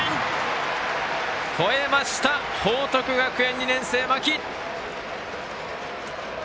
ほえました報徳学園、２年生、間木！